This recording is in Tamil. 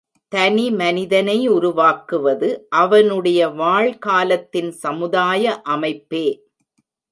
தனிமனிதனை உருவாக்குவது அவனுடைய வாழ்காலத்தின் சமுதாய அமைப்பே.